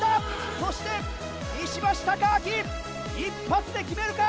そして石橋貴明一発で決めるか？